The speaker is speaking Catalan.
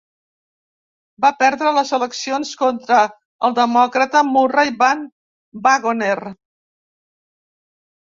Va perdre les eleccions contra el demòcrata Murray Van Wagoner.